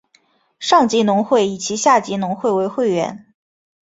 上级农会以其下级农会为会员。